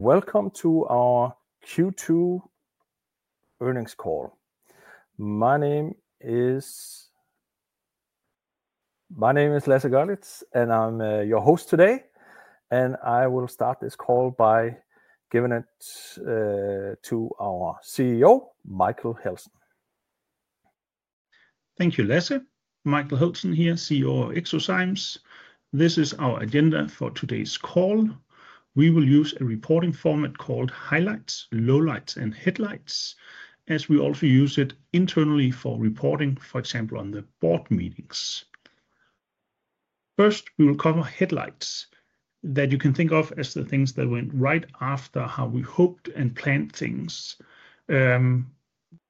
Welcome to our Q2 Earnings Call. My name is Lasse Görlitz, and I'm your host today. I will start this call by giving it to our CEO, Michael Heltzen. Thank you, Lasse. Michael Heltzen here, CEO of eXoZymes. This is our agenda for today's call. We will use a reporting format called highlights, lowlights, and headlights, as we also use it internally for reporting, for example, on the board meetings. First, we will cover highlights that you can think of as the things that went right after how we hoped and planned things. When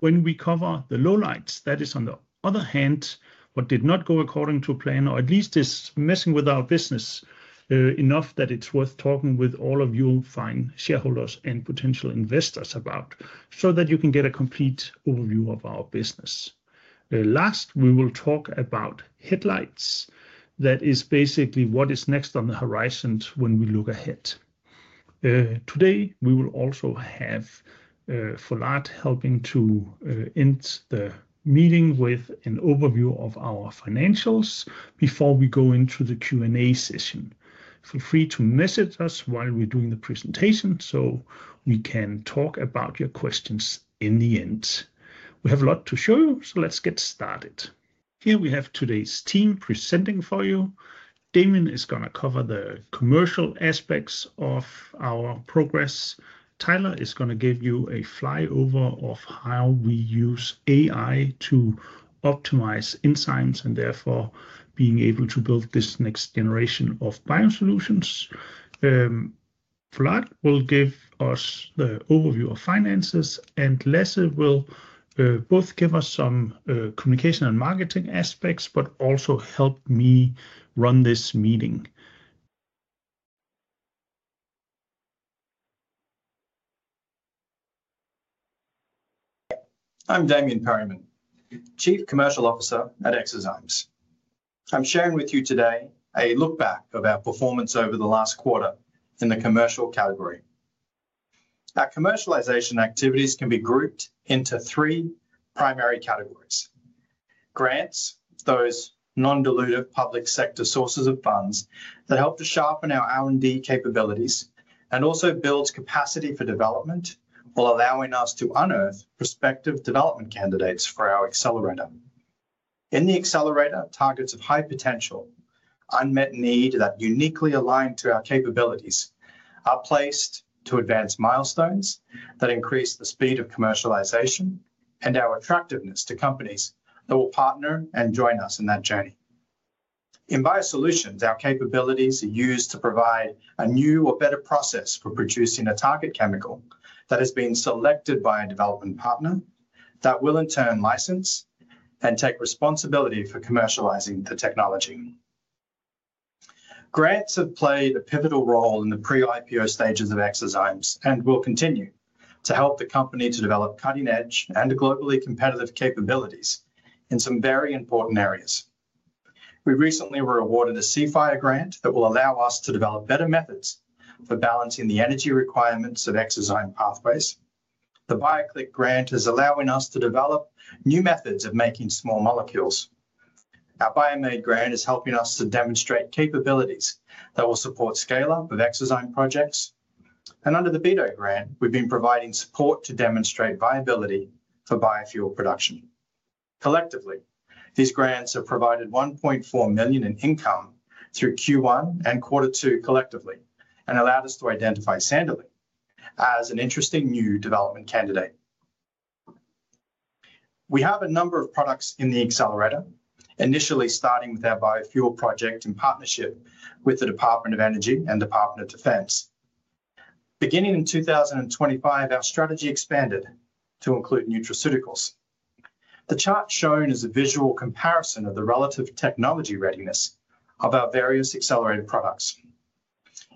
we cover the lowlights, that is, on the other hand, what did not go according to plan, or at least is messing with our business enough that it's worth talking with all of you fine shareholders and potential investors about, so that you can get a complete overview of our business. Last, we will talk about headlights. That is basically what is next on the horizon when we look ahead. Today, we will also have Fouad helping to end the meeting with an overview of our financials before we go into the Q&A session. Feel free to message us while we're doing the presentation so we can talk about your questions in the end. We have a lot to show you, so let's get started. Here we have today's team presenting for you. Damien is going to cover the commercial aspects of our progress. Tyler is going to give you a flyover of how we use AI to optimize insights and therefore being able to build this next generation of bio solutions. Fouad will give us the overview of finances, and Lasse will both give us some communication and marketing aspects, but also help me run this meeting. I'm Damien Perriman, Chief Commercial Officer at eXoZymes. I'm sharing with you today a look back of our performance over the last quarter in the commercial category. Our commercialization activities can be grouped into three primary categories: grants, those non-dilutive public sector sources of funds that help to sharpen our R&D capabilities, and also build capacity for development while allowing us to unearth prospective development candidates for our accelerator. In the accelerator, targets of high potential, unmet need that uniquely align to our capabilities are placed to advance milestones that increase the speed of commercialization and our attractiveness to companies that will partner and join us in that journey. In bio solutions, our capabilities are used to provide a new or better process for producing a target chemical that has been selected by a development partner that will in turn license and take responsibility for commercializing the technology. Grants have played a pivotal role in the pre-IPO stages of eXoZymes and will continue to help the company to develop cutting-edge and globally competitive capabilities in some very important areas. We recently were awarded a CEFIRE grant that will allow us to develop better methods for balancing the energy requirements of eXoZymes pathways. The BioClick grant is allowing us to develop new methods of making small molecules. Our BioMADE grant is helping us to demonstrate capabilities that will support scale-up of eXoZymes projects. Under the BDOT grant, we've been providing support to demonstrate viability for biofuel production. Collectively, these grants have provided $1.4 million in income through Q1 and quarter two collectively and allowed us to identify santalene as an interesting new development candidate. We have a number of products in the accelerator, initially starting with our biofuel project in partnership with the Department of Energy and the Department of Defense. Beginning in 2025, our strategy expanded to include nutraceuticals. The chart shown is a visual comparison of the relative technology readiness of our various accelerator products.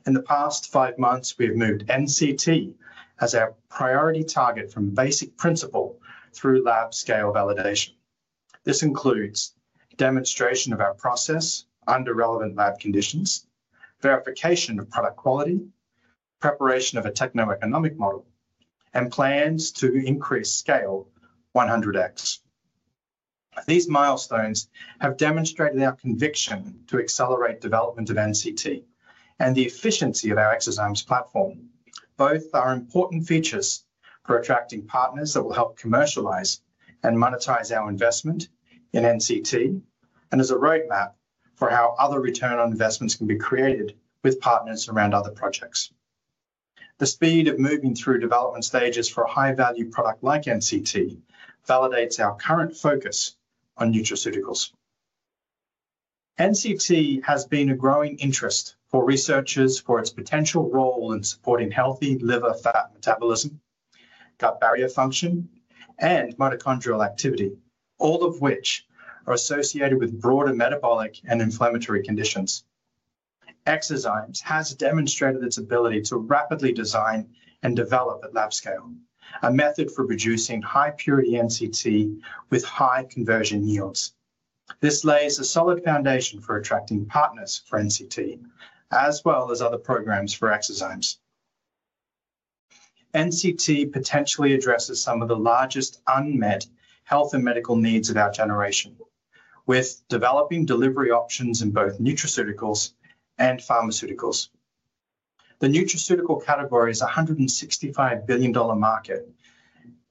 In the past five months, we've moved N-trans-caffeoyltyramine (NCT) as our priority target from basic principle through lab scale validation. This includes demonstration of our process under relevant lab conditions, verification of product quality, preparation of a techno-economic model, and plans to increase scale 100x. These milestones have demonstrated our conviction to accelerate development of NCT and the efficiency of our eXoZymes platform. Both are important features for attracting partners that will help commercialize and monetize our investment in NCT and as a roadmap for how other return on investments can be created with partners around other projects. The speed of moving through development stages for a high-value product like NCT validates our current focus on nutraceuticals. NCT has been a growing interest for researchers for its potential role in supporting healthy liver fat metabolism, gut barrier function, and mitochondrial activity, all of which are associated with broader metabolic and inflammatory conditions. eXoZymes has demonstrated its ability to rapidly design and develop at lab scale a method for producing high-purity NCT with high conversion yields. This lays a solid foundation for attracting partners for NCT, as well as other programs for eXoZymes. NCT potentially addresses some of the largest unmet health and medical needs of our generation with developing delivery options in both nutraceuticals and pharmaceuticals. The nutraceutical category is a $165 billion market,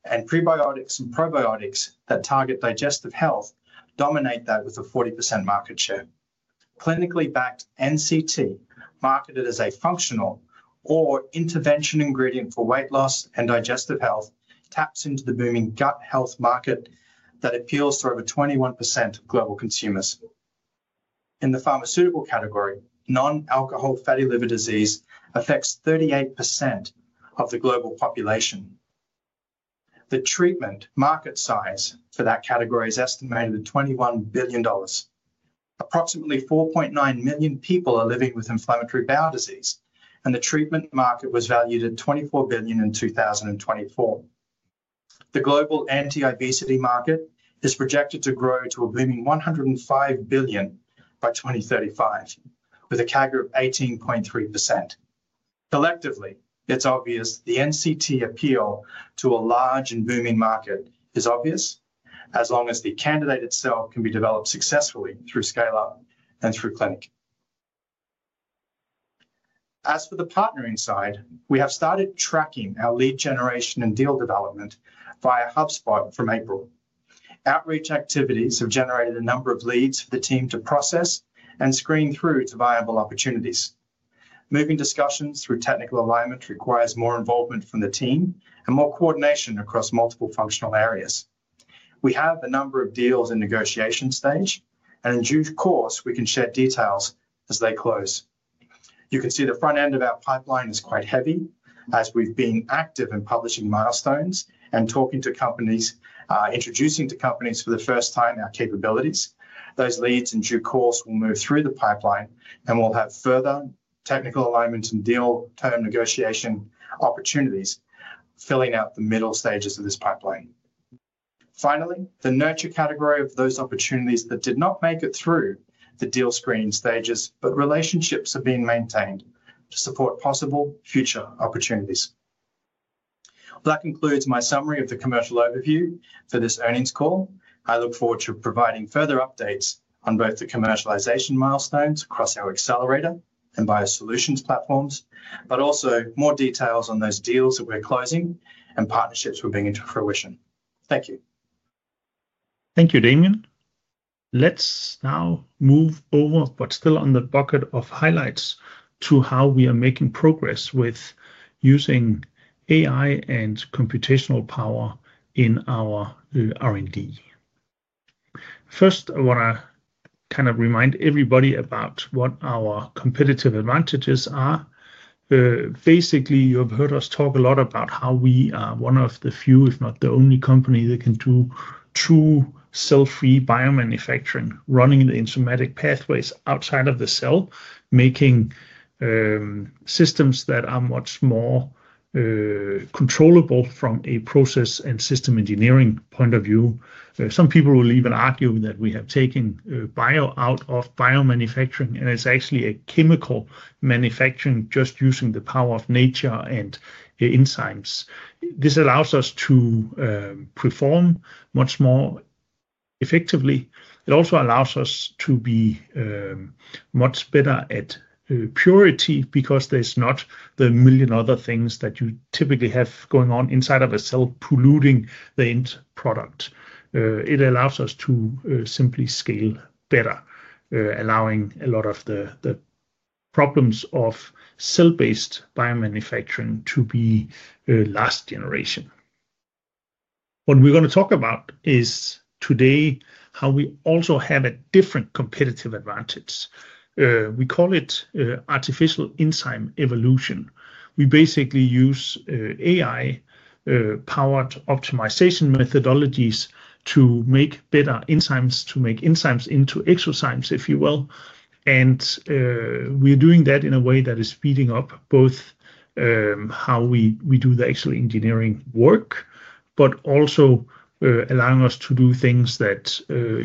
and prebiotics and probiotics that target digestive health dominate that with a 40% market share. Clinically backed NCT, marketed as a functional or intervention ingredient for weight loss and digestive health, taps into the booming gut health market that appeals to over 21% of global consumers. In the pharmaceutical category, non-alcohol fatty liver disease affects 38% of the global population. The treatment market size for that category is estimated at $21 billion. Approximately 4.9 million people are living with inflammatory bowel disease, and the treatment market was valued at $24 billion in 2024. The global anti-obesity market is projected to grow to a booming $105 billion by 2035 with a CAGR of 18.3%. Collectively, it's obvious the NCT appeal to a large and booming market is obvious, as long as the candidate itself can be developed successfully through scale-up and through clinic. As for the partnering side, we have started tracking our lead generation and deal development via HubSpot from April. Outreach activities have generated a number of leads for the team to process and screen through to viable opportunities. Moving discussions through technical alignment requires more involvement from the team and more coordination across multiple functional areas. We have a number of deals in negotiation stage, and in due course, we can share details as they close. You can see the front end of our pipeline is quite heavy as we've been active in publishing milestones and talking to companies, introducing to companies for the first time our capabilities. Those leads in due course will move through the pipeline and will have further technical alignment and deal term negotiation opportunities filling out the middle stages of this pipeline. Finally, the nurture category of those opportunities that did not make it through the deal screening stages, but relationships have been maintained to support possible future opportunities. That concludes my summary of the commercial overview for this earnings call. I look forward to providing further updates on both the commercialization milestones across our accelerator/bio solutions platforms, but also more details on those deals that we're closing and partnerships we're bringing to fruition. Thank you. Thank you, Damien. Let's now move over, but still on the bucket of highlights, to how we are making progress with using AI and computational power in our R&D. First, I want to remind everybody about what our competitive advantages are. Basically, you have heard us talk a lot about how we are one of the few, if not the only company, that can do true cell-free biomanufacturing, running the enzymatic pathways outside of the cell, making systems that are much more controllable from a process and system engineering point of view. Some people will even argue that we have taken bio out of biomanufacturing, and it's actually a chemical manufacturing just using the power of nature and enzymes. This allows us to perform much more effectively. It also allows us to be much better at purity because there's not the million other things that you typically have going on inside of a cell polluting the end product. It allows us to simply scale better, allowing a lot of the problems of cell-based biomanufacturing to be last generation. What we're going to talk about is today how we also have a different competitive advantage. We call it artificial enzyme evolution. We basically use AI-powered optimization methodologies to make better enzymes, to make enzymes into eXoZymes, if you will. We're doing that in a way that is speeding up both how we do the actual engineering work, but also allowing us to do things that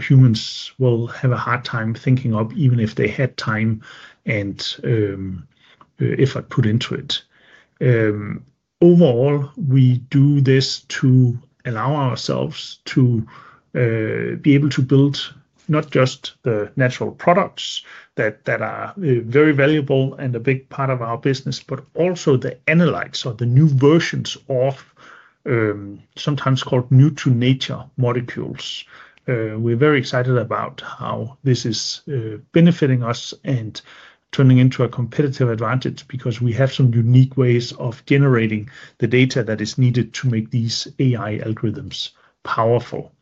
humans will have a hard time thinking of even if they had time and effort put into it. Overall, we do this to allow ourselves to be able to build not just the natural products that are very valuable and a big part of our business, but also the analytes or the new versions of sometimes called new-to-nature molecules. We're very excited about how this is benefiting us and turning into a competitive advantage because we have some unique ways of generating the data that is needed to make these AI algorithms powerful.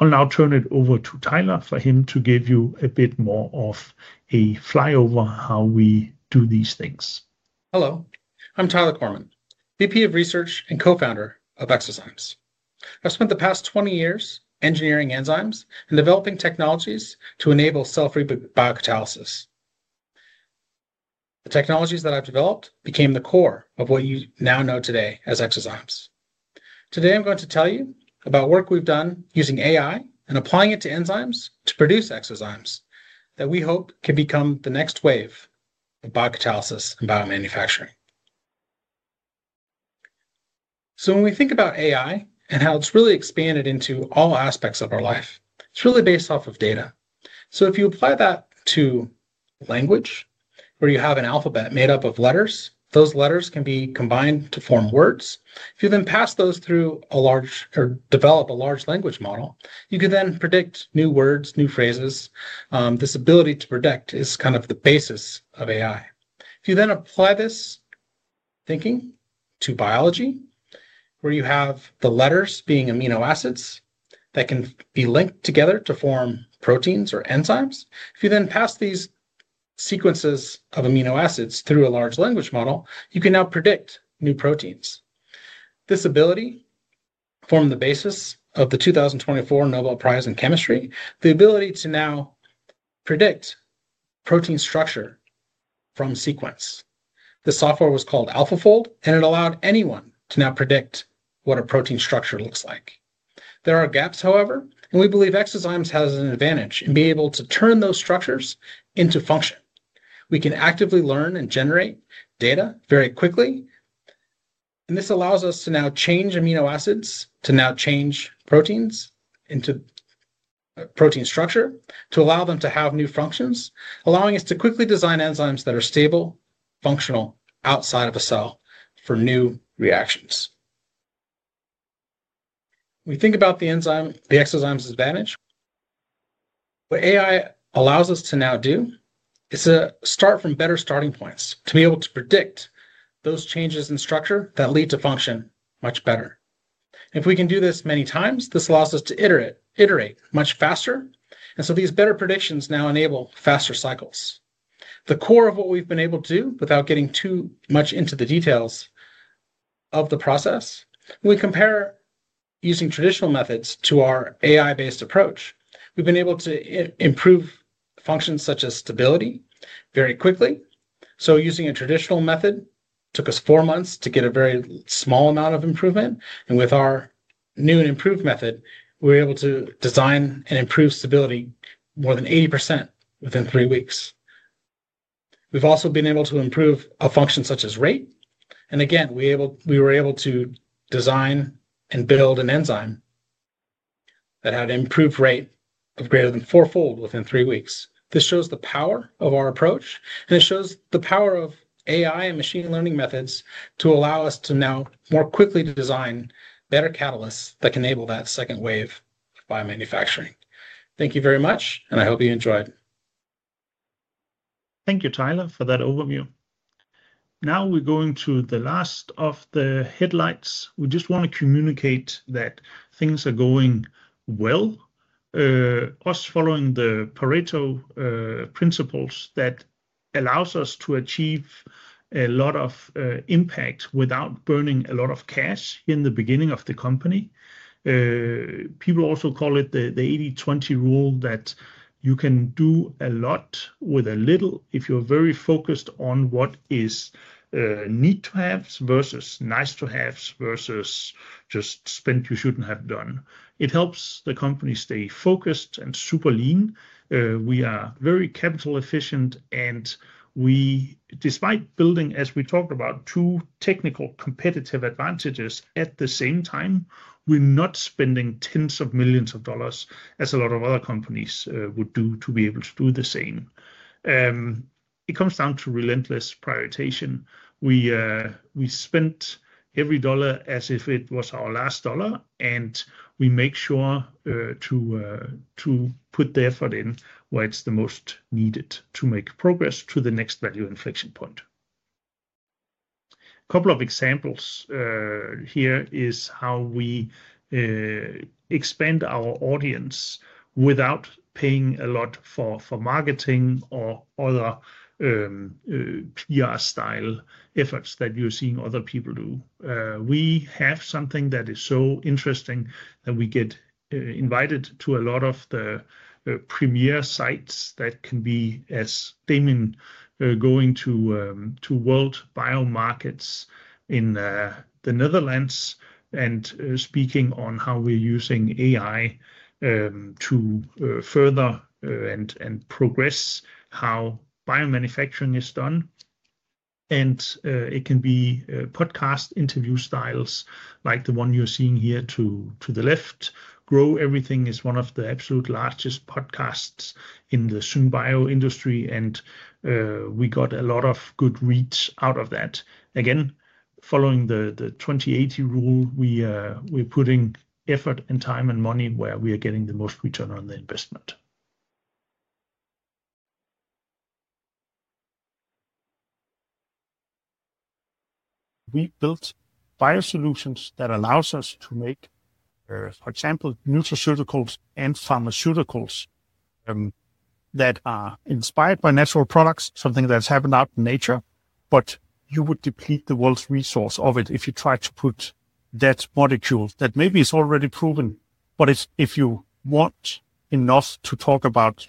I'll now turn it over to Tyler for him to give you a bit more of a flyover of how we do these things. Hello. I'm Tyler Korman, VP of Research and co-founder of eXoZymes. I've spent the past 20 years engineering enzymes and developing technologies to enable cell-free biocatalysis. The technologies that I've developed became the core of what you now know today as eXoZymes. Today, I'm going to tell you about work we've done using AI and applying it to enzymes to produce eXoZymes that we hope can become the next wave of biocatalysis and biomanufacturing. When we think about AI and how it's really expanded into all aspects of our life, it's really based off of data. If you apply that to language where you have an alphabet made up of letters, those letters can be combined to form words. If you then pass those through a large or develop a large language model, you can then predict new words, new phrases. This ability to predict is kind of the basis of AI. If you then apply this thinking to biology, where you have the letters being amino acids that can be linked together to form proteins or enzymes, if you then pass these sequences of amino acids through a large language model, you can now predict new proteins. This ability formed the basis of the 2024 Nobel Prize in Chemistry, the ability to now predict protein structure from sequence. The software was called AlphaFold, and it allowed anyone to now predict what a protein structure looks like. There are gaps, however, and we believe eXoZymes has an advantage in being able to turn those structures into function. We can actively learn and generate data very quickly, and this allows us to now change amino acids to now change proteins into protein structure to allow them to have new functions, allowing us to quickly design enzymes that are stable, functional outside of a cell for new reactions. We think about the enzyme, the eXoZymes advantage. What AI allows us to now do is to start from better starting points to be able to predict those changes in structure that lead to function much better. If we can do this many times, this allows us to iterate much faster, and these better predictions now enable faster cycles. The core of what we've been able to do, without getting too much into the details of the process, we compare using traditional methods to our AI-based approach. We've been able to improve functions such as stability very quickly. Using a traditional method took us four months to get a very small amount of improvement, and with our new and improved method, we were able to design and improve stability more than 80% within three weeks. We've also been able to improve a function such as rate, and again, we were able to design and build an enzyme that had an improved rate of greater than fourfold within three weeks. This shows the power of our approach, and it shows the power of AI and machine learning methods to allow us to now more quickly design better catalysts that can enable that second wave of biomanufacturing. Thank you very much, and I hope you enjoyed. Thank you, Tyler, for that overview. Now we're going to the last of the highlights. We just want to communicate that things are going well. Us following the Pareto principles, that allows us to achieve a lot of impact without burning a lot of cash in the beginning of the company. People also call it the 80/20 rule, that you can do a lot with a little if you're very focused on what is need-to-haves versus nice-to-haves versus just spend you shouldn't have done. It helps the company stay focused and super lean. We are very capital-efficient, and we, despite building, as we talked about, two technical competitive advantages at the same time, we're not spending tens of millions of dollars as a lot of other companies would do to be able to do the same. It comes down to relentless prioritization. We spend every dollar as if it was our last dollar, and we make sure to put the effort in where it's the most needed to make progress to the next value inflection point. A couple of examples here are how we expand our audience without paying a lot for marketing or other PR-style efforts that you're seeing other people do. We have something that is so interesting that we get invited to a lot of the premier sites. That can be, as Damien going to World Biomarkets in the Netherlands and speaking on how we're using AI to further and progress how biomanufacturing is done. It can be podcast interview styles like the one you're seeing here to the left. Grow Everything is one of the absolute largest podcasts in the syn bio industry, and we got a lot of good reads out of that. Again, following the 20/80 rule, we're putting effort and time and money where we are getting the most return on the investment. We built bio solutions that allow us to make, for example, nutraceuticals and pharmaceuticals that are inspired by natural products, something that's happened out in nature. You would deplete the world's resource of it if you try to put that molecule that maybe is already proven. If you want enough to talk about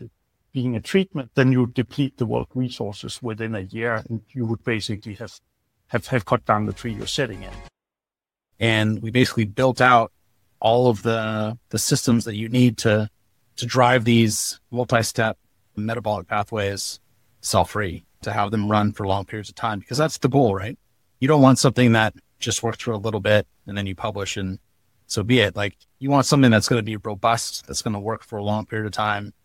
being a treatment, then you deplete the world resources within a year, and you would basically have cut down the tree you're setting in. We basically built out all of the systems that you need to drive these multi-step metabolic pathways cell-free to have them run for long periods of time because that's the goal, right? You don't want something that just works for a little bit, and then you publish, and so be it. You want something that's going to be robust, that's going to work for a long period of time.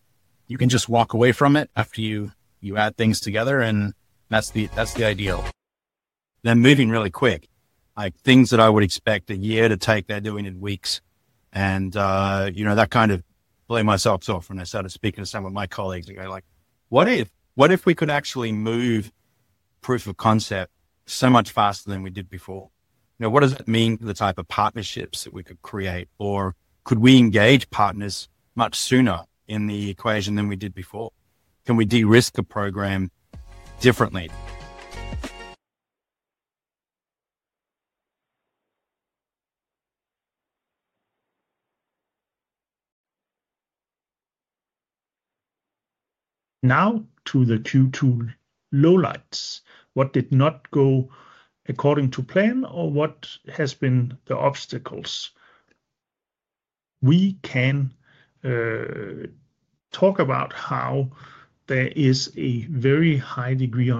You can just walk away from it after you add things together, and that's the ideal. Moving really quick, like things that I would expect a year to take, they're doing in weeks. You know, that kind of blew myself off when I started speaking to some of my colleagues and going like, what if we could actually move proof of concept so much faster than we did before? You know, what does it mean for the type of partnerships that we could create, or could we engage partners much sooner in the equation than we did before? Can we de-risk a program differently? Now to the Q2 lowlights. What did not go according to plan or what has been the obstacles? We can talk about how there is a very high degree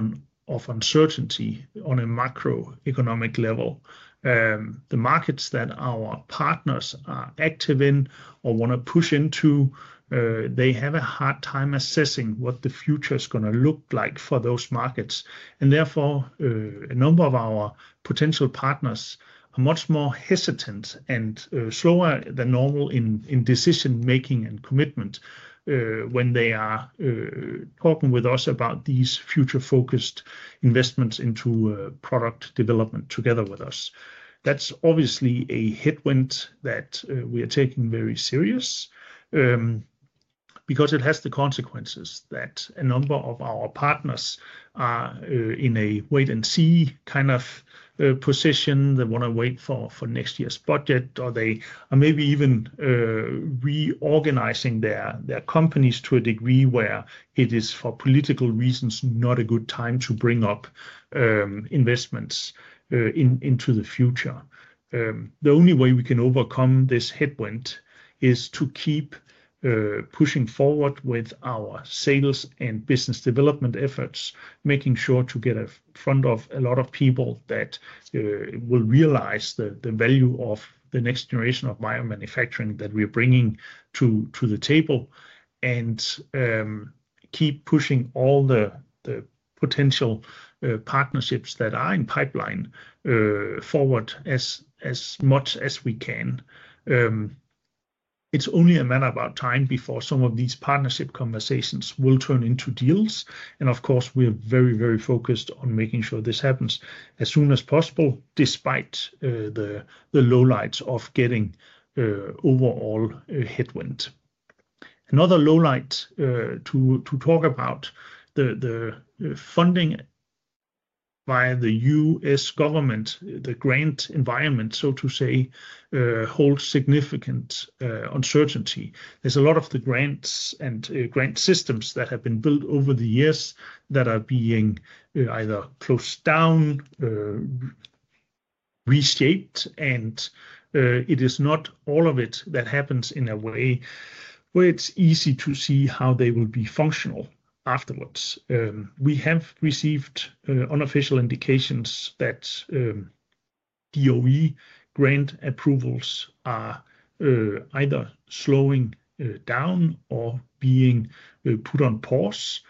of uncertainty on a macroeconomic level. The markets that our partners are active in or want to push into, they have a hard time assessing what the future is going to look like for those markets. Therefore, a number of our potential partners are much more hesitant and slower than normal in decision-making and commitment when they are talking with us about these future-focused investments into product development together with us. That's obviously a headwind that we are taking very serious because it has the consequences that a number of our partners are in a wait-and-see kind of position. They want to wait for next year's budget, or they are maybe even reorganizing their companies to a degree where it is for political reasons not a good time to bring up investments into the future. The only way we can overcome this headwind is to keep pushing forward with our sales and business development efforts, making sure to get in front of a lot of people that will realize the value of the next generation of biomanufacturing that we are bringing to the table and keep pushing all the potential partnerships that are in pipeline forward as much as we can. It's only a matter of time before some of these partnership conversations will turn into deals. Of course, we're very, very focused on making sure this happens as soon as possible, despite the lowlights of getting overall headwind. Another lowlight to talk about, the funding via the U.S. government, the grant environment, so to say, holds significant uncertainty. There's a lot of the grants and grant systems that have been built over the years that are being either closed down, reshaped, and it is not all of it that happens in a way where it's easy to see how they will be functional afterwards. We have received unofficial indications that DoE grant approvals are either slowing down or being put on pause,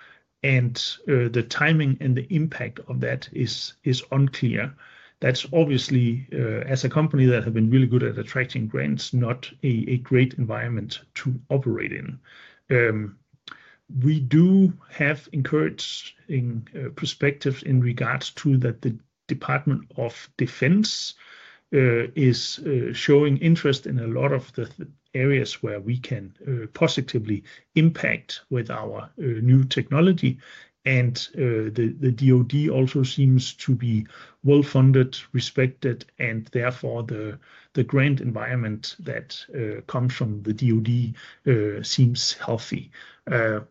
and the timing and the impact of that is unclear. That's obviously, as a company that has been really good at attracting grants, not a great environment to operate in. We do have encouraging perspectives in regards to that the Department of Defense is showing interest in a lot of the areas where we can positively impact with our new technology. The DoD also seems to be well-funded, respected, and therefore the grant environment that comes from the DoD seems healthy.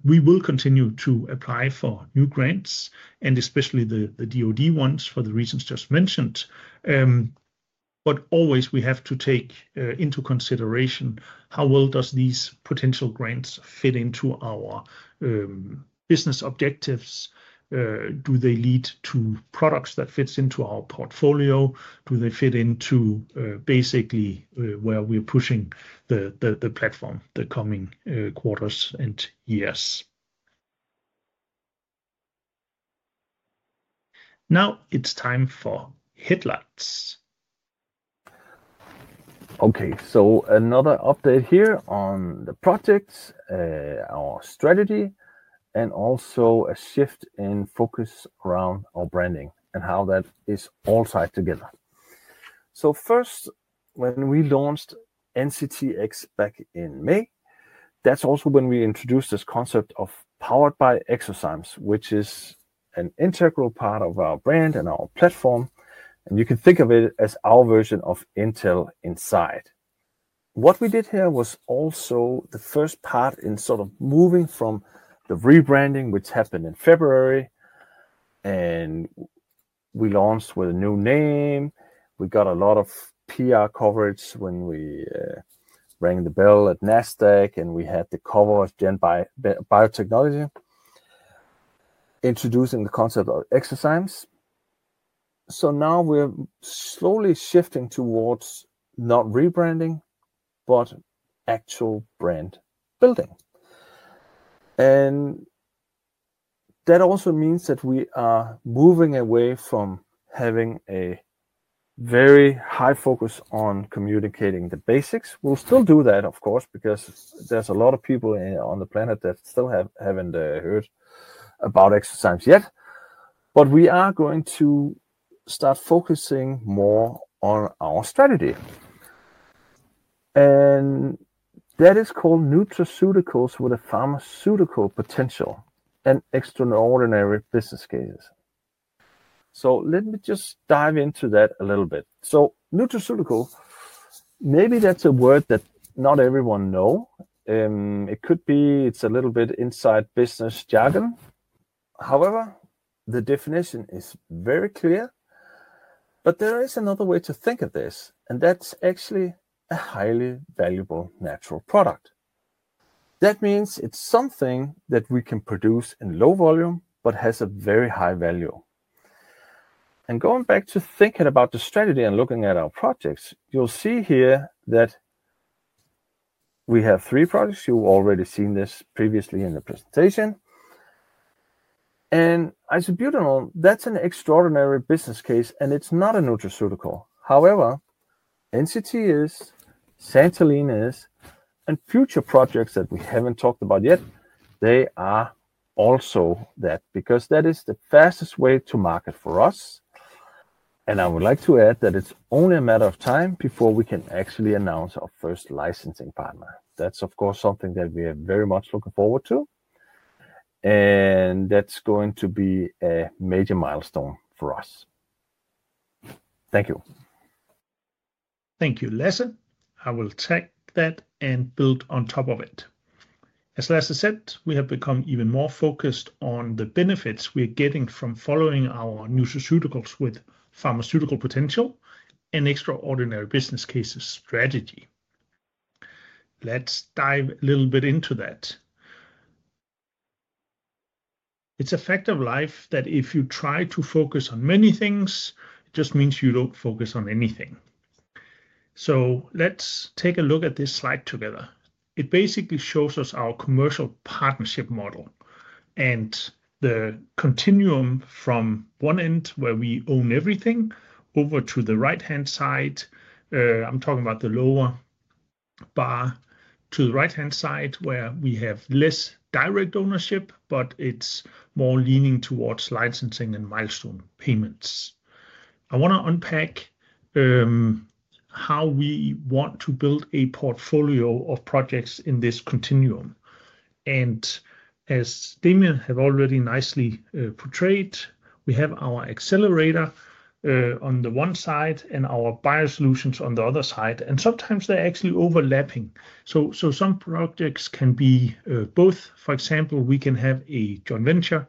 We will continue to apply for new grants, especially the DoD ones for the reasons just mentioned. We have to take into consideration how well do these potential grants fit into our business objectives. Do they lead to products that fit into our portfolio? Do they fit into basically where we're pushing the platform the coming quarters and years? Now it's time for headlights. Okay, so another update here on the projects, our strategy, and also a shift in focus around our branding and how that is all tied together. First, when we launched NCTx back in May, that's also when we introduced this concept of powered by eXoZymes, which is an integral part of our brand and our platform. You can think of it as our version of Intel Inside. What we did here was also the first part in sort of moving from the rebranding, which happened in February, and we launched with a new name. We got a lot of PR coverage when we rang the bell at NASDAQ, and we had the coverage done by Biotechnology, introducing the concept of eXoZymes. Now we're slowly shifting towards not rebranding, but actual brand building. That also means that we are moving away from having a very high focus on communicating the basics. We'll still do that, of course, because there's a lot of people on the planet that still haven't heard about eXoZymes yet. We are going to start focusing more on our strategy. That is called nutraceuticals with a pharmaceutical potential and extraordinary business cases. Let me just dive into that a little bit. Nutraceutical, maybe that's a word that not everyone knows. It could be it's a little bit inside business jargon. However, the definition is very clear. There is another way to think of this, and that's actually a highly valuable natural product. That means it's something that we can produce in low volume but has a very high value. Going back to thinking about the strategy and looking at our projects, you'll see here that we have three projects. You've already seen this previously in the presentation. Isobutanol, that's an extraordinary business case, and it's not a nutraceutical. However, NCT is, santalene is, and future projects that we haven't talked about yet, they are also that because that is the fastest way to market for us. I would like to add that it's only a matter of time before we can actually announce our first licensing partner. That's, of course, something that we are very much looking forward to. That's going to be a major milestone for us. Thank you. Thank you, Lasse. I will take that and build on top of it. As Lasse said, we have become even more focused on the benefits we're getting from following our nutraceuticals with pharmaceutical potential and extraordinary business cases strategy. Let's dive a little bit into that. It's a fact of life that if you try to focus on many things, it just means you don't focus on anything. Let's take a look at this slide together. It basically shows us our commercial partnership model and the continuum from one end where we own everything over to the right-hand side. I'm talking about the lower bar to the right-hand side where we have less direct ownership, but it's more leaning towards licensing and milestone payments. I want to unpack how we want to build a portfolio of projects in this continuum. As Damien has already nicely portrayed, we have our accelerator on the one side and our bio solutions on the other side, and sometimes they're actually overlapping. Some projects can be both. For example, we can have a joint venture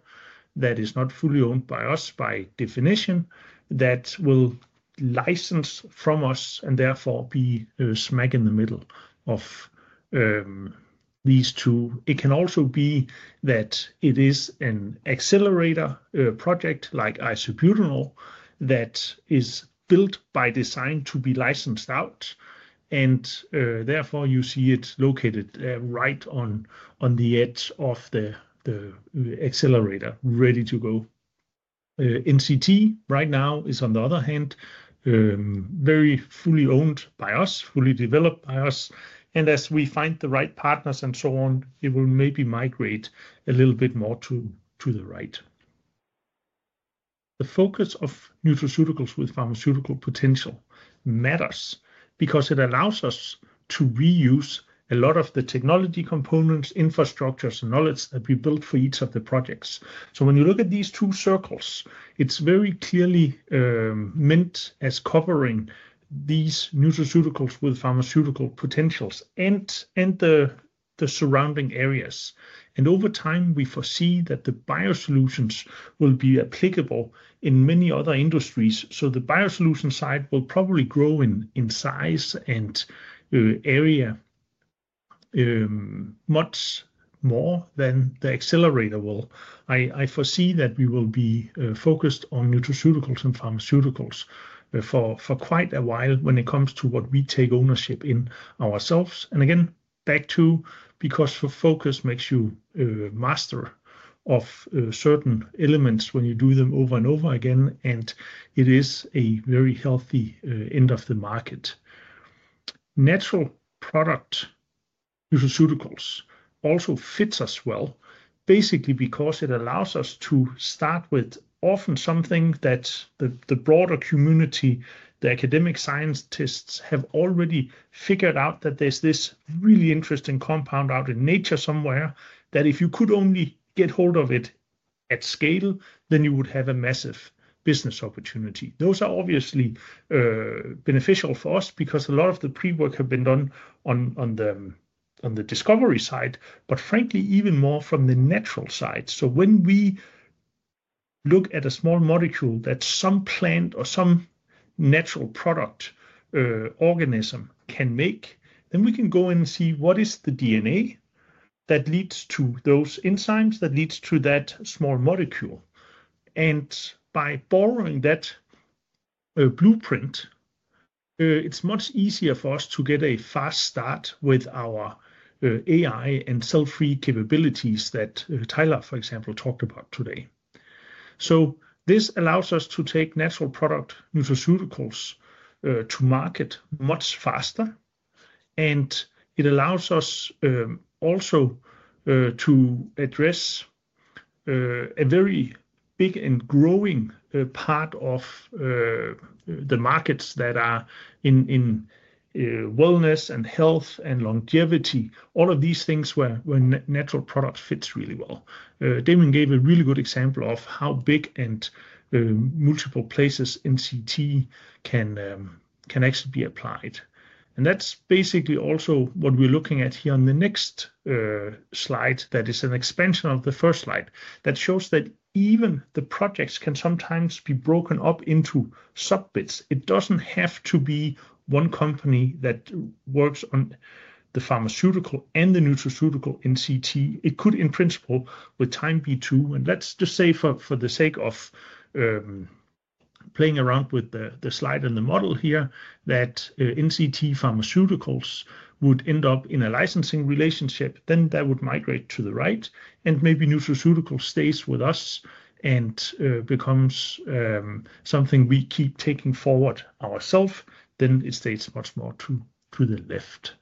that is not fully owned by us by definition that will license from us and therefore be smack in the middle of these two. It can also be that it is an accelerator project like isobutanol that is built by design to be licensed out. Therefore, you see it's located right on the edge of the accelerator ready to go. NCT right now is, on the other hand, very fully owned by us, fully developed by us. As we find the right partners and so on, it will maybe migrate a little bit more to the right. The focus of nutraceuticals with pharmaceutical potential matters because it allows us to reuse a lot of the technology components, infrastructures, and knowledge that we built for each of the projects. When you look at these two circles, it's very clearly meant as covering these nutraceuticals with pharmaceutical potentials and the surrounding areas. Over time, we foresee that the bio solutions will be applicable in many other industries. The bio solution side will probably grow in size and area much more than the accelerator will. I foresee that we will be focused on nutraceuticals and pharmaceuticals for quite a while when it comes to what we take ownership in ourselves. Again, back to because focus makes you a master of certain elements when you do them over and over again, and it is a very healthy end of the market. Natural product nutraceuticals also fit us well, basically because it allows us to start with often something that the broader community, the academic scientists have already figured out that there's this really interesting compound out in nature somewhere that if you could only get hold of it at scale, then you would have a massive business opportunity. Those are obviously beneficial for us because a lot of the pre-work has been done on the discovery side, but frankly, even more from the natural side. When we look at a small molecule that some plant or some natural product organism can make, we can go in and see what is the DNA that leads to those enzymes that leads to that small molecule. By borrowing that blueprint, it's much easier for us to get a fast start with our AI and cell-free capabilities that Tyler, for example, talked about today. This allows us to take natural product nutraceuticals to market much faster, and it allows us also to address a very big and growing part of the markets that are in wellness and health and longevity. All of these things where natural products fit really well. Damien gave a really good example of how big and multiple places NCT can actually be applied. That's basically also what we're looking at here on the next slide. That is an expansion of the first slide that shows that even the projects can sometimes be broken up into sub-bits. It doesn't have to be one company that works on the pharmaceutical and the nutraceutical NCT. It could, in principle, with time be two. Let's just say for the sake of playing around with the slide and the model here that NCT pharmaceuticals would end up in a licensing relationship, that would migrate to the right, and maybe nutraceutical stays with us and becomes something we keep taking forward ourselves. It stays much more to the left.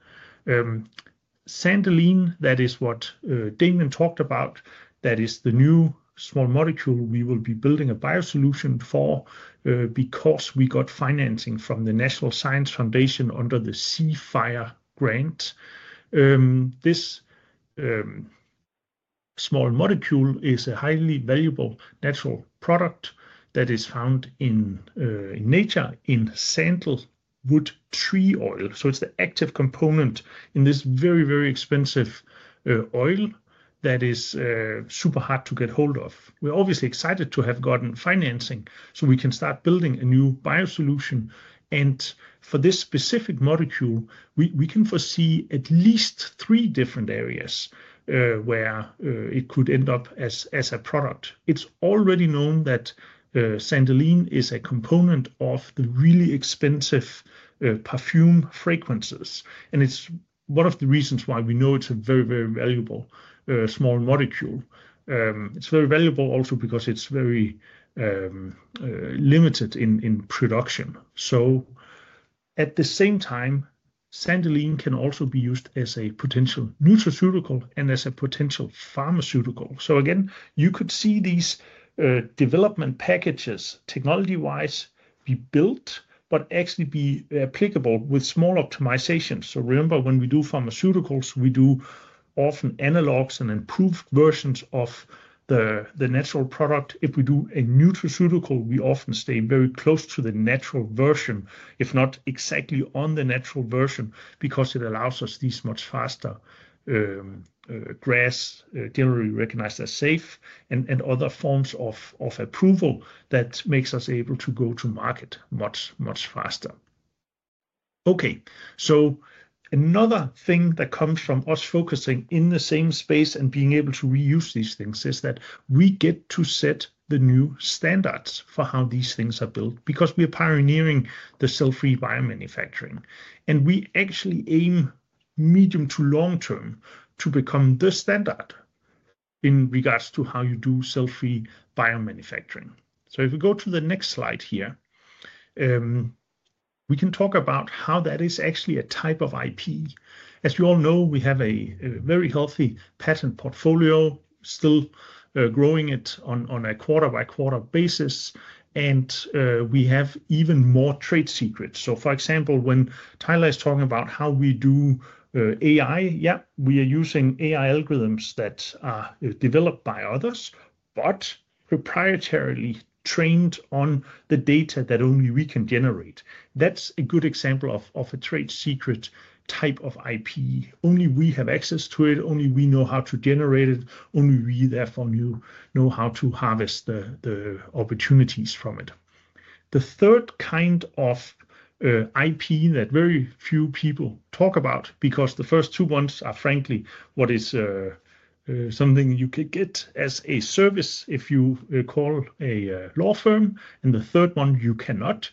Santalene, that is what Damien talked about. That is the new small molecule we will be building a bio solution for because we got financing from the National Science Foundation under the CEFIRE grant. This small molecule is a highly valuable natural product that is found in nature in sandalwood tree oil. It's the active component in this very, very expensive oil that is super hard to get hold of. We're obviously excited to have gotten financing so we can start building a new bio solution. For this specific molecule, we can foresee at least three different areas where it could end up as a product. It's already known that santalene is a component of the really expensive perfume fragrances, and it's one of the reasons why we know it's a very, very valuable small molecule. It's very valuable also because it's very limited in production. At the same time, santalene can also be used as a potential nutraceutical and as a potential pharmaceutical. You could see these development packages technology-wise be built but actually be applicable with small optimizations. Remember when we do pharmaceuticals, we do often analogs and improved versions of the natural product. If we do a nutraceutical, we often stay very close to the natural version, if not exactly on the natural version, because it allows us these much faster GRAS, generally recognized as safe, and other forms of approval that make us able to go to market much, much faster. Another thing that comes from us focusing in the same space and being able to reuse these things is that we get to set the new standards for how these things are built because we are pioneering the cell-free biomanufacturing. We actually aim medium to long term to become the standard in regards to how you do cell-free biomanufacturing. If we go to the next slide here, we can talk about how that is actually a type of IP. As you all know, we have a very healthy patent portfolio, still growing it on a quarter-by-quarter basis, and we have even more trade secrets. For example, when Tyler is talking about how we do AI, yeah, we are using AI algorithms that are developed by others, but proprietarily trained on the data that only we can generate. That's a good example of a trade secret type of IP. Only we have access to it. Only we know how to generate it. Only we, therefore, know how to harvest the opportunities from it. The third kind of IP that very few people talk about because the first two ones are frankly what is something you could get as a service if you call a law firm, and the third one you cannot.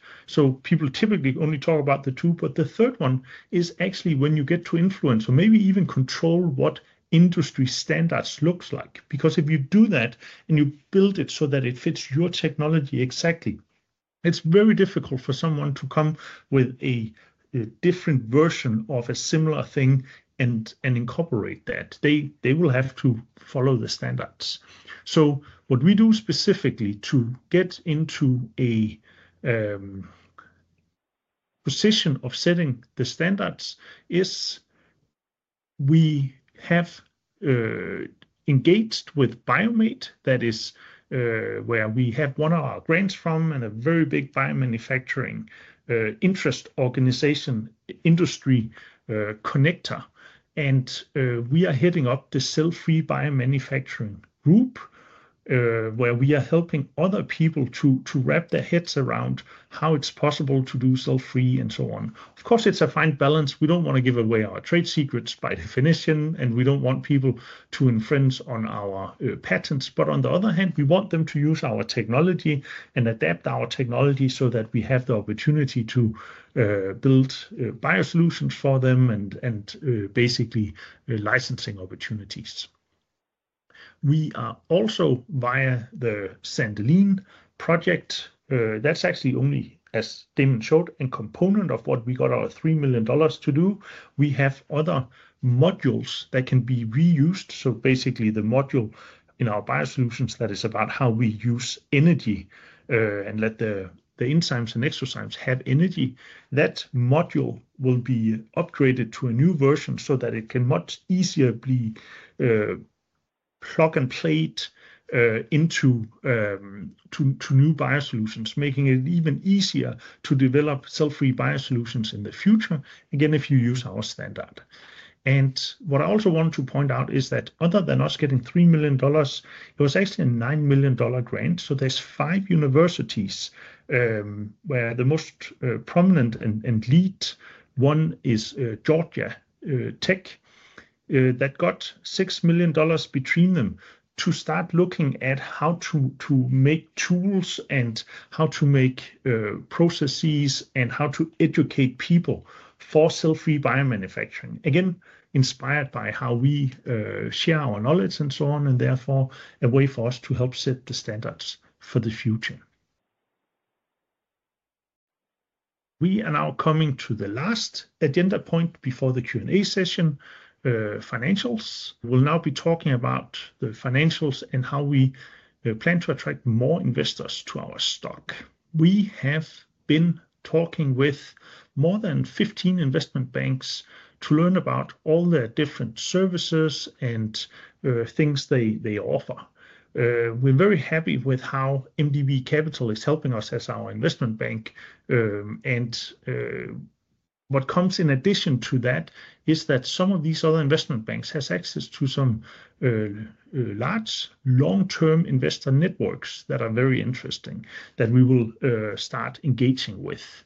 People typically only talk about the two, but the third one is actually when you get to influence or maybe even control what industry standards look like. If you do that and you build it so that it fits your technology exactly, it's very difficult for someone to come with a different version of a similar thing and incorporate that. They will have to follow the standards. What we do specifically to get into a position of setting the standards is we have engaged with BioMADE. That is where we have one of our grants from and a very big biomanufacturing interest organization, industry connector. We are heading up the cell-free biomanufacturing group where we are helping other people to wrap their heads around how it's possible to do cell-free and so on. Of course, it's a fine balance. We don't want to give away our trade secrets by definition, and we don't want people to infringe on our patents. On the other hand, we want them to use our technology and adapt our technology so that we have the opportunity to build bio solutions for them and basically licensing opportunities. We are also via the santalene project. That's actually only, as Damien showed, a component of what we got our $3 million to do. We have other modules that can be reused. Basically, the module in our bio solutions that is about how we use energy and let the enzymes and eXoZymes have energy, that module will be upgraded to a new version so that it can much easier be plug and play into new bio solutions, making it even easier to develop cell-free bio solutions in the future, again, if you use our standard. What I also want to point out is that other than us getting $3 million, it was actually a $9 million grant. There are five universities where the most prominent and lead one is Georgia Tech that got $6 million between them to start looking at how to make tools and how to make processes and how to educate people for cell-free biomanufacturing. Again, inspired by how we share our knowledge and so on, and therefore, a way for us to help set the standards for the future. We are now coming to the last agenda point before the Q&A session, financials. We'll now be talking about the financials and how we plan to attract more investors to our stock. We have been talking with more than 15 investment banks to learn about all their different services and things they offer. We're very happy with how MDB Capital is helping us as our investment bank. What comes in addition to that is that some of these other investment banks have access to some large, long-term investor networks that are very interesting that we will start engaging with.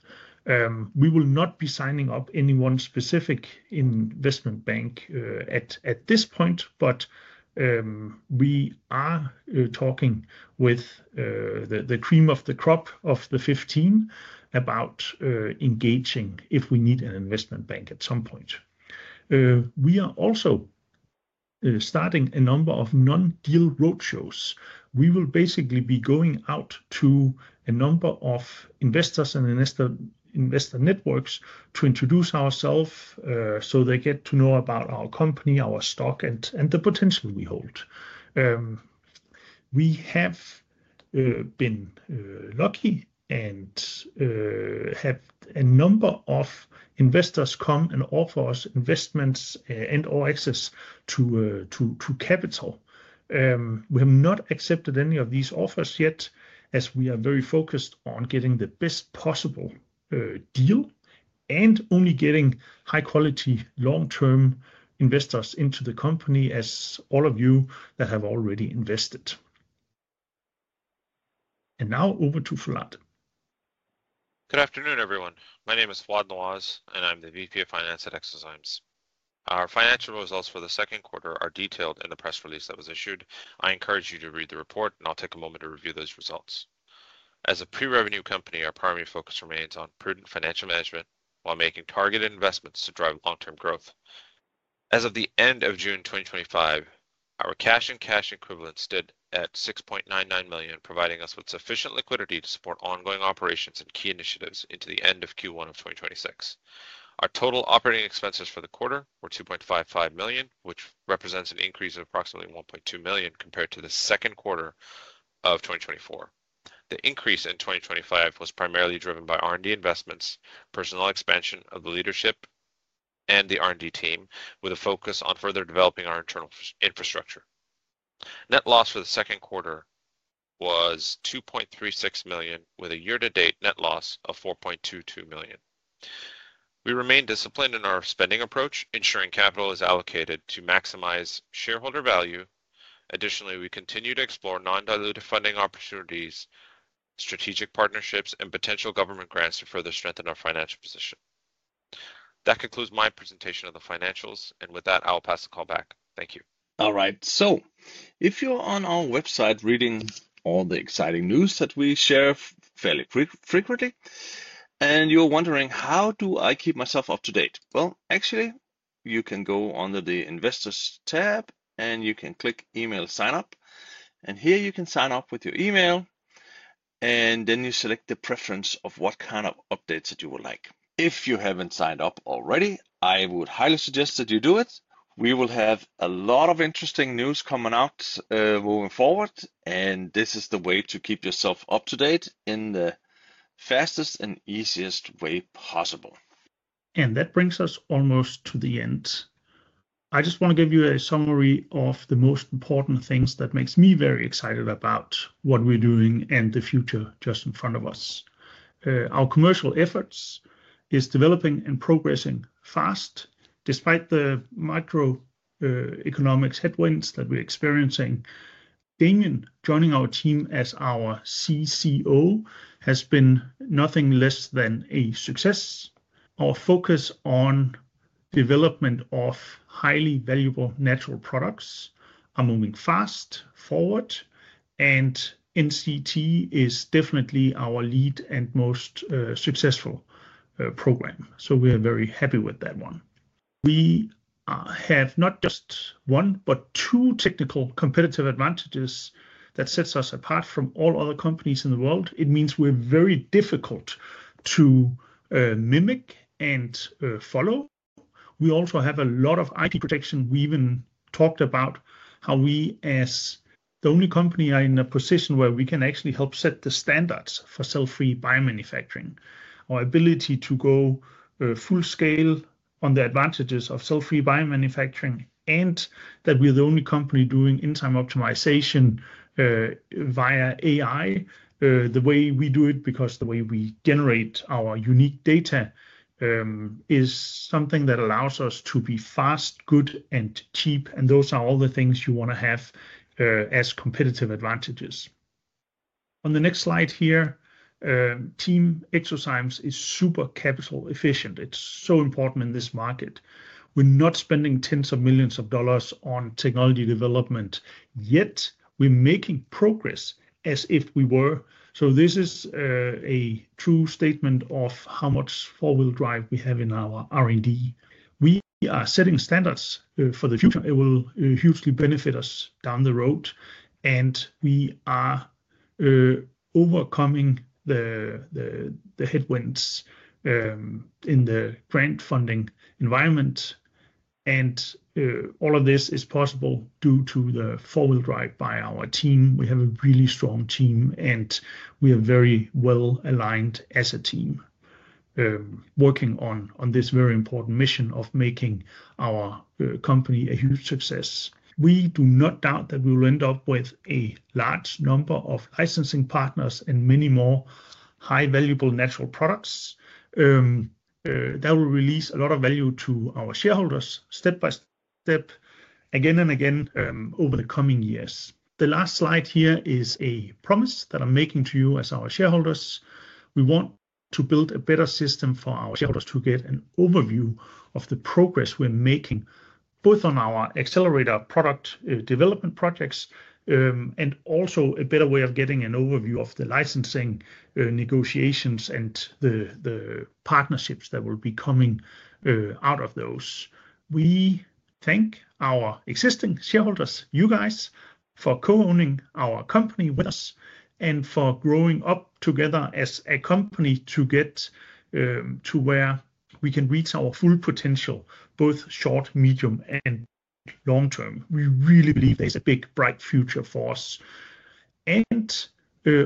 We will not be signing up any one specific investment bank at this point, but we are talking with the cream of the crop of the 15 about engaging if we need an investment bank at some point. We are also starting a number of non-deal roadshows. We will basically be going out to a number of investors and investor networks to introduce ourselves so they get to know about our company, our stock, and the potential we hold. We have been lucky and had a number of investors come and offer us investments and/or access to capital. We have not accepted any of these offers yet as we are very focused on getting the best possible deal and only getting high-quality, long-term investors into the company, as all of you that have already invested. Now over to Fouad. Good afternoon, everyone. My name is Fouad Nawaz, and I'm the Vice President of Finance at eXoZymes. Our financial results for the second quarter are detailed in the press release that was issued. I encourage you to read the report, and I'll take a moment to review those results. As a pre-revenue company, our primary focus remains on prudent financial management while making targeted investments to drive long-term growth. As of the end of June 2025, our cash and cash equivalents stood at $6.99 million, providing us with sufficient liquidity to support ongoing operations and key initiatives into the end of Q1 of 2026. Our total operating expenses for the quarter were $2.55 million, which represents an increase of approximately $1.2 million compared to the second quarter of 2024. The increase in 2025 was primarily driven by R&D investments, personnel expansion of the leadership, and the R&D team, with a focus on further developing our internal infrastructure. Net loss for the second quarter was $2.36 million, with a year-to-date net loss of $4.22 million. We remain disciplined in our spending approach, ensuring capital is allocated to maximize shareholder value. Additionally, we continue to explore non-dilutive funding opportunities, strategic partnerships, and potential government grants to further strengthen our financial position. That concludes my presentation of the financials, and with that, I'll pass the call back. Thank you. All right. If you're on our website reading all the exciting news that we share fairly frequently, and you're wondering, how do I keep myself up to date? You can go under the Investors tab, and you can click Email Signup. Here you can sign up with your email, and then you select the preference of what kind of updates that you would like. If you haven't signed up already, I would highly suggest that you do it. We will have a lot of interesting news coming out moving forward, and this is the way to keep yourself up to date in the fastest and easiest way possible. That brings us almost to the end. I just want to give you a summary of the most important things that make me very excited about what we're doing and the future just in front of us. Our commercial efforts are developing and progressing fast despite the macroeconomic headwinds that we're experiencing. Damien Perriman, joining our team as our CCO, has been nothing less than a success. Our focus on development of highly valuable natural products is moving fast forward, and NCT is definitely our lead and most successful program. We are very happy with that one. We have not just one, but two technical competitive advantages that set us apart from all other companies in the world. It means we're very difficult to mimic and follow. We also have a lot of IP protection. We even talked about how we, as the only company, are in a position where we can actually help set the standards for cell-free biomanufacturing. Our ability to go full scale on the advantages of cell-free biomanufacturing and that we're the only company doing in-time optimization via AI, the way we do it because the way we generate our unique data is something that allows us to be fast, good, and cheap. Those are all the things you want to have as competitive advantages. On the next slide here, Team eXoZymes is super capital-efficient. It's so important in this market. We're not spending tens of millions of dollars on technology development yet. We're making progress as if we were. This is a true statement of how much four-wheel drive we have in our R&D. We are setting standards for the future. It will hugely benefit us down the road, and we are overcoming the headwinds in the grant funding environment. All of this is possible due to the four-wheel drive by our team. We have a really strong team, and we are very well aligned as a team working on this very important mission of making our company a huge success. We do not doubt that we will end up with a large number of licensing partners and many more high valuable natural products that will release a lot of value to our shareholders step by step, again and again over the coming years. The last slide here is a promise that I'm making to you as our shareholders. We want to build a better system for our shareholders to get an overview of the progress we're making, both on our accelerator product development projects and also a better way of getting an overview of the licensing negotiations and the partnerships that will be coming out of those. We thank our existing shareholders, you guys, for co-owning our company with us and for growing up together as a company to get to where we can reach our full potential, both short, medium, and long term. We really believe there's a big, bright future for us.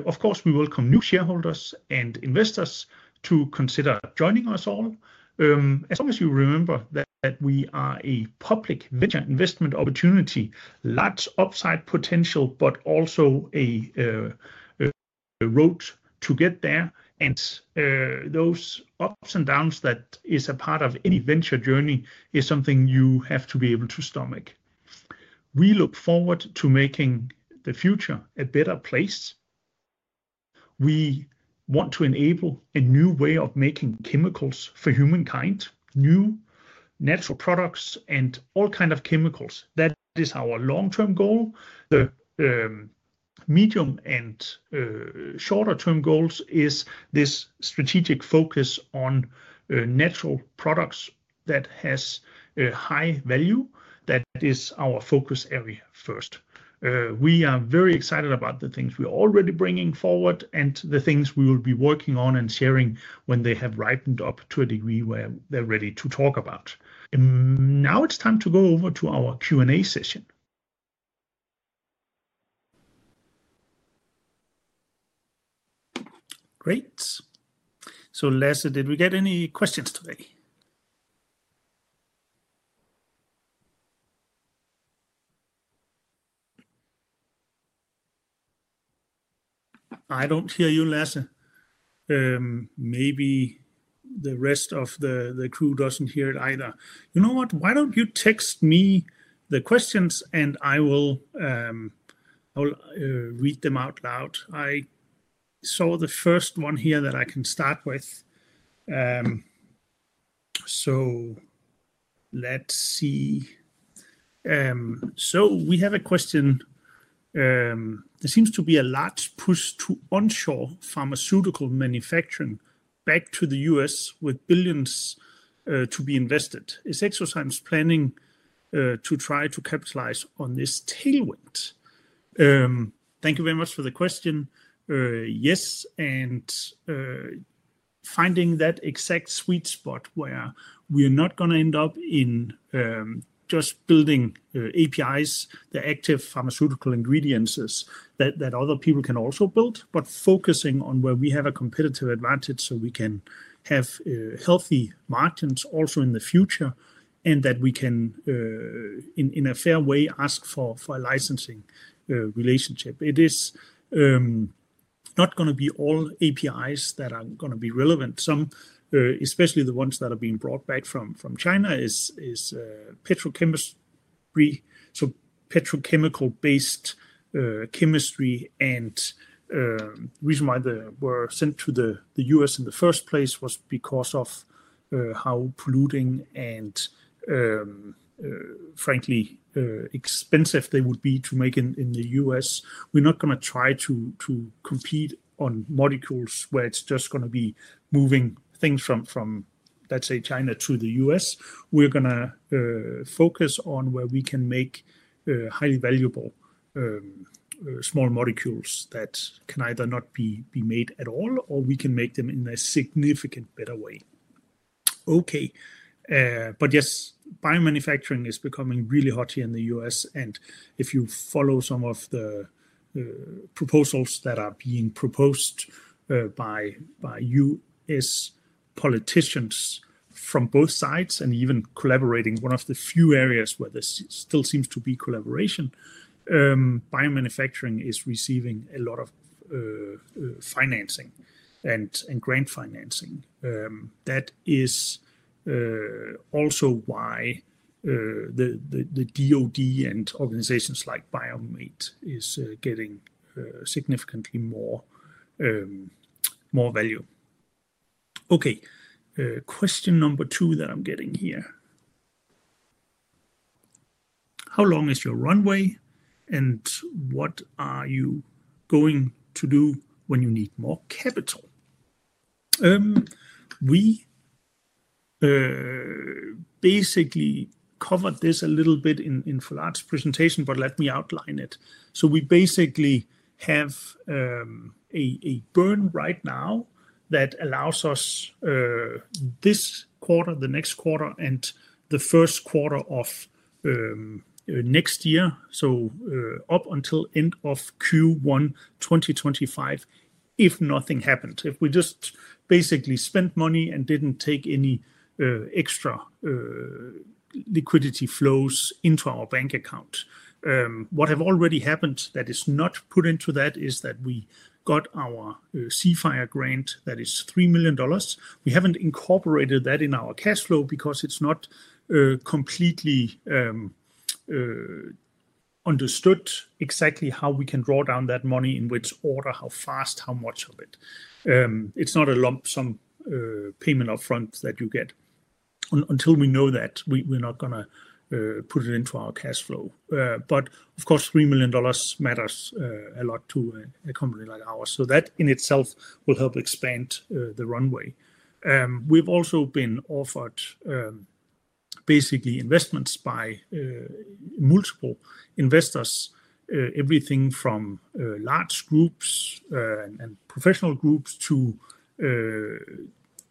Of course, we welcome new shareholders and investors to consider joining us all, as long as you remember that we are a public venture investment opportunity, large upside potential, but also a road to get there. Those ups and downs that are a part of any venture journey are something you have to be able to stomach. We look forward to making the future a better place. We want to enable a new way of making chemicals for humankind, new natural products, and all kinds of chemicals. That is our long-term goal. The medium and shorter-term goals are this strategic focus on natural products that have high value. That is our focus area first. We are very excited about the things we are already bringing forward and the things we will be working on and sharing when they have ripened up to a degree where they're ready to talk about. Now it's time to go over to our Q&A session. Great. Lasse, did we get any questions today? I don't hear you, Lasse. Maybe the rest of the crew doesn't hear it either. You know what? Why don't you text me the questions, and I will read them out loud? I saw the first one here that I can start with. Let's see. We have a question. There seems to be a large push to onshore pharmaceutical manufacturing back to the U.S. with billions to be invested. Is eXoZymes planning to try to capitalize on this tailwind? Thank you very much for the question. Yes. Finding that exact sweet spot where we're not going to end up in just building APIs, the active pharmaceutical ingredients that other people can also build, but focusing on where we have a competitive advantage so we can have healthy margins also in the future and that we can, in a fair way, ask for a licensing relationship. It is not going to be all APIs that are going to be relevant. Some, especially the ones that are being brought back from China, is petrochemistry, so petrochemical-based chemistry. The reason why they were sent to the U.S. in the first place was because of how polluting and frankly expensive they would be to make in the U.S. We're not going to try to compete on molecules where it's just going to be moving things from, let's say, China to the U.S. We're going to focus on where we can make highly valuable small molecules that can either not be made at all or we can make them in a significantly better way. Biomanufacturing is becoming really hot here in the U.S. If you follow some of the proposals that are being proposed by U.S. politicians from both sides and even collaborating, one of the few areas where there still seems to be collaboration, biomanufacturing is receiving a lot of financing and grant financing. That is also why the DoD and organizations like BioMADE are getting significantly more value. Question number two that I'm getting here. How long is your runway and what are you going to do when you need more capital? We basically covered this a little bit in Fouad's presentation, but let me outline it. We basically have a burn right now that allows us this quarter, the next quarter, and the first quarter of next year, up until the end of Q1 2025, if nothing happened, if we just basically spent money and didn't take any extra liquidity flows into our bank account. What has already happened that is not put into that is that we got our CEFIRE grant that is $3 million. We haven't incorporated that in our cash flow because it's not completely understood exactly how we can draw down that money, in which order, how fast, how much of it. It's not a lump sum payment upfront that you get. Until we know that, we're not going to put it into our cash flow. Of course, $3 million matters a lot to a company like ours. That in itself will help expand the runway. We've also been offered investments by multiple investors, everything from large groups and professional groups to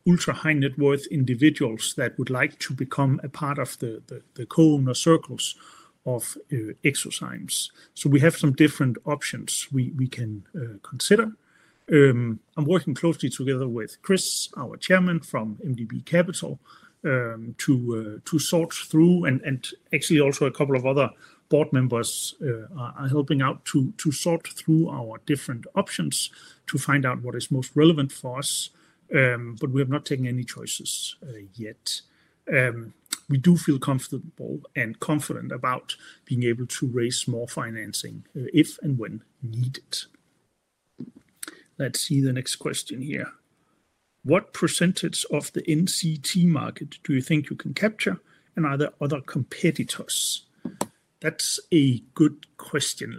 ultra-high net worth individuals that would like to become a part of the cohort or circles of eXoZymes. We have some different options we can consider. I'm working closely together with Chris, our Chairman from MDB Capital, to sort through, and actually also a couple of other board members are helping out to sort through our different options to find out what is most relevant for us. We have not taken any choices yet. We do feel comfortable and confident about being able to raise more financing if and when needed. Let's see the next question here. What percentage of the NCT market do you think you can capture, and are there other competitors? That's a good question.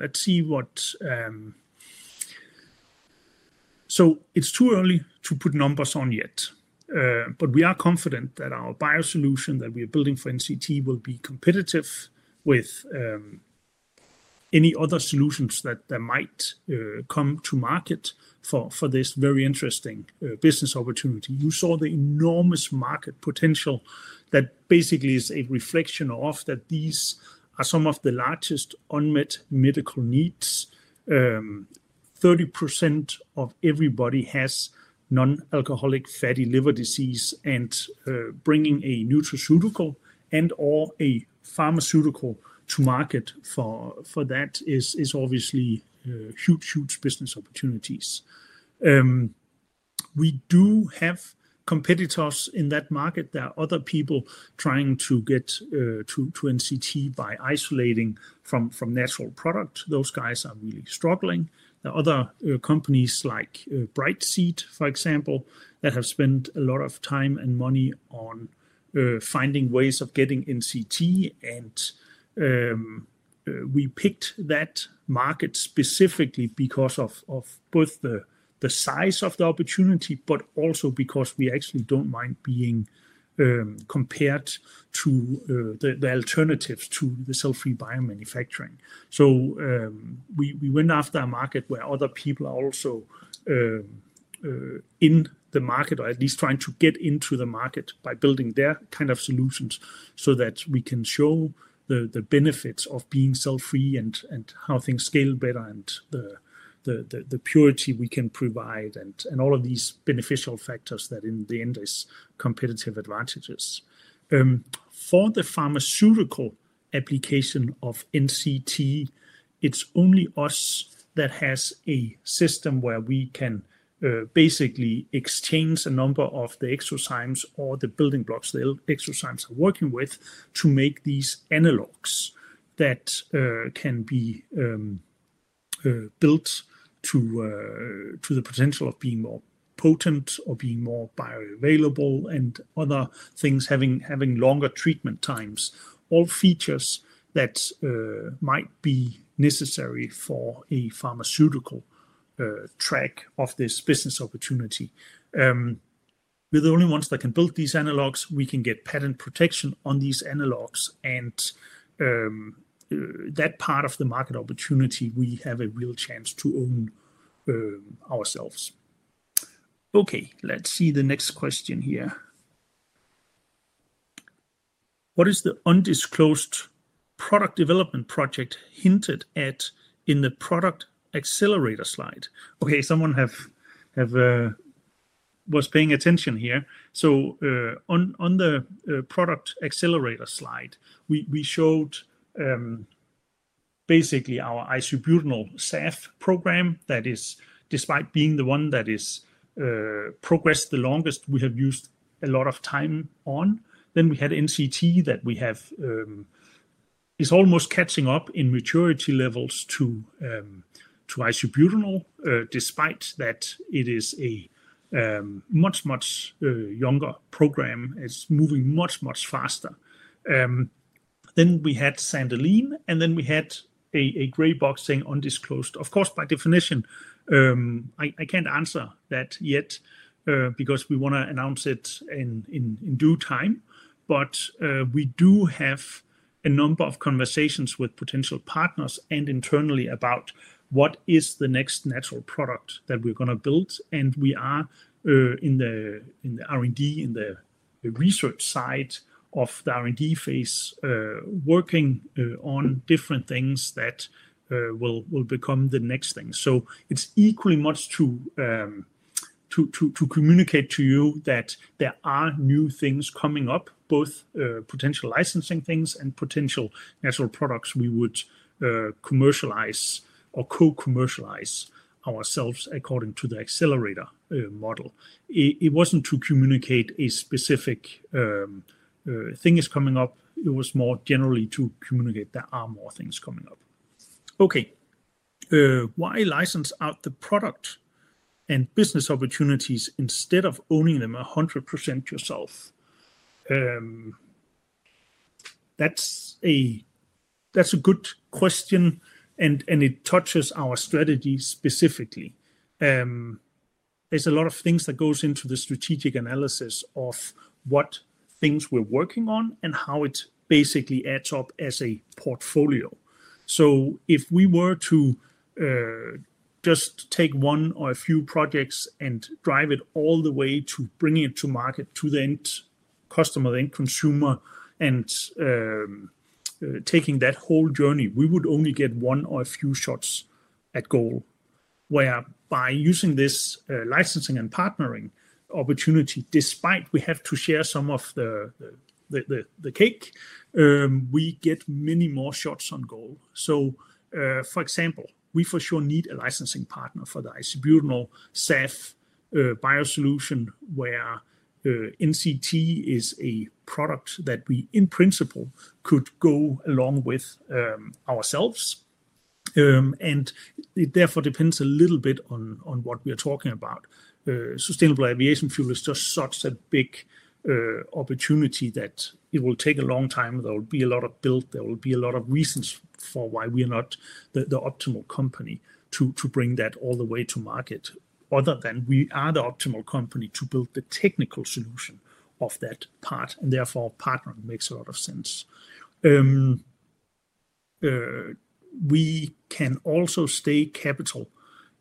It's too early to put numbers on yet, but we are confident that our bio solution that we are building for NCT will be competitive with any other solutions that might come to market for this very interesting business opportunity. You saw the enormous market potential that basically is a reflection of the fact that these are some of the largest unmet medical needs. 30% of everybody has non-alcoholic fatty liver disease, and bringing a nutraceutical and/or a pharmaceutical to market for that is obviously huge, huge business opportunities. We do have competitors in that market. There are other people trying to get to NCT by isolating from natural products. Those guys are really struggling. There are other companies like Brightseed, for example, that have spent a lot of time and money on finding ways of getting NCT. We picked that market specifically because of both the size of the opportunity, but also because we actually don't mind being compared to the alternatives to the cell-free biomanufacturing. We went after a market where other people are also in the market or at least trying to get into the market by building their kind of solutions so that we can show the benefits of being cell-free and how things scale better and the purity we can provide and all of these beneficial factors that in the end are competitive advantages. For the pharmaceutical application of NCT, it's only us that have a system where we can basically exchange a number of the exozymes or the building blocks the exozymes are working with to make these analogues that can be built to the potential of being more potent or being more bio-available and other things, having longer treatment times, all features that might be necessary for a pharmaceutical track of this business opportunity. We're the only ones that can build these analogues. We can get patent protection on these analogues, and that part of the market opportunity we have a real chance to own ourselves. Let's see the next question here. What is the undisclosed product development project hinted at in the product accelerator slide? Okay, someone was paying attention here. On the product accelerator slide, we showed basically our isobutanol SAF program that is, despite being the one that has progressed the longest, we have used a lot of time on. We had NCT that we have is almost catching up in maturity levels to isobutanol, despite that it is a much, much younger program. It's moving much, much faster. We had santalene, and then we had a gray box saying undisclosed. Of course, by definition, I can't answer that yet because we want to announce it in due time. We do have a number of conversations with potential partners and internally about what is the next natural product that we're going to build. We are in the R&D, in the research side of the R&D phase, working on different things that will become the next thing. It's equally much to communicate to you that there are new things coming up, both potential licensing things and potential natural products we would commercialize or co-commercialize ourselves according to the accelerator/bio solutions model. It wasn't to communicate a specific thing that's coming up. It was more generally to communicate there are more things coming up. Why license out the product and business opportunities instead of owning them 100% yourself? That's a good question, and it touches our strategy specifically. There's a lot of things that go into the strategic analysis of what things we're working on and how it basically adds up as a portfolio. If we were to just take one or a few projects and drive it all the way to bringing it to market to the end customer, the end consumer, and taking that whole journey, we would only get one or a few shots at goal. Where by using this licensing and partnering opportunity, despite we have to share some of the cake, we get many more shots on goal. For example, we for sure need a licensing partner for the isobutanol SAF biosolution where NCT is a product that we, in principle, could go along with ourselves. It therefore depends a little bit on what we are talking about. Sustainable aviation fuel is just such a big opportunity that it will take a long time. There will be a lot of build. There will be a lot of reasons for why we are not the optimal company to bring that all the way to market, other than we are the optimal company to build the technical solution of that part. Therefore, partnering makes a lot of sense. We can also stay capital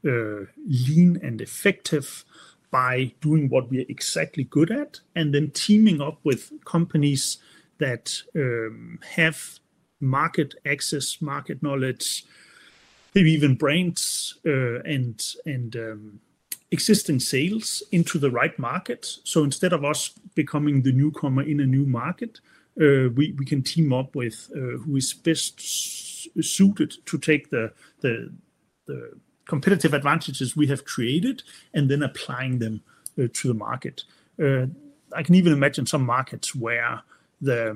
lean and effective by doing what we are exactly good at and then teaming up with companies that have market access, market knowledge, maybe even brands, and existing sales into the right market. Instead of us becoming the newcomer in a new market, we can team up with who is best suited to take the competitive advantages we have created and then apply them to the market. I can even imagine some markets where there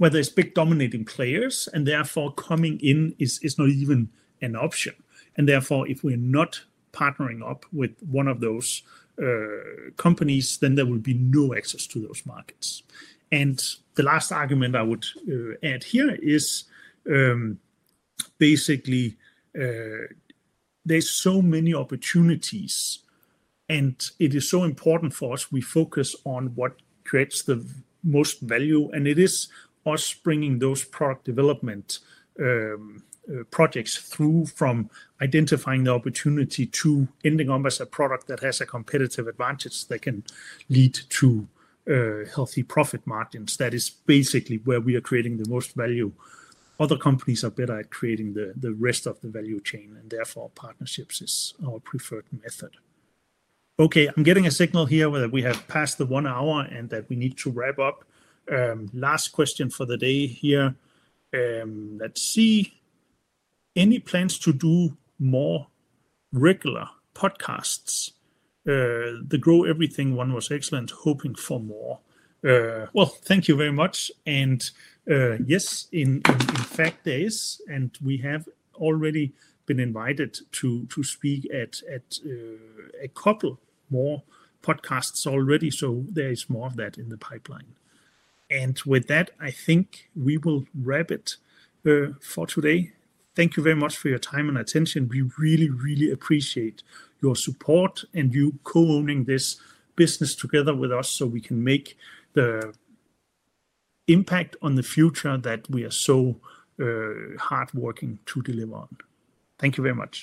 are big dominating players, and therefore coming in is not even an option. If we're not partnering up with one of those companies, then there will be no access to those markets. The last argument I would add here is basically there are so many opportunities, and it is so important for us. We focus on what creates the most value, and it is us bringing those product development projects through from identifying the opportunity to ending up as a product that has a competitive advantage that can lead to healthy profit margins. That is basically where we are creating the most value. Other companies are better at creating the rest of the value chain, and therefore partnerships are our preferred method. I'm getting a signal here that we have passed the one hour and that we need to wrap up. Last question for the day here. Let's see. Any plans to do more regular podcasts? The Grow Everything one was excellent. Hoping for more. Thank you very much. Yes, in fact, there is, and we have already been invited to speak at a couple more podcasts already. There is more of that in the pipeline. With that, I think we will wrap it for today. Thank you very much for your time and attention. We really, really appreciate your support and you co-owning this business together with us so we can make the impact on the future that we are so hard working to deliver on. Thank you very much.